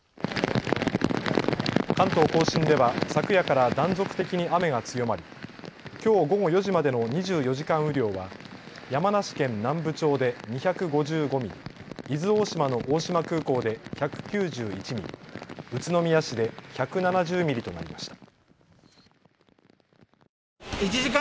関東甲信では昨夜から断続的に雨が強まりきょう午後４時までの２４時間雨量は山梨県南部町で２５５ミリ、伊豆大島の大島空港で１９１ミリ、宇都宮市で１７０ミリとなりました。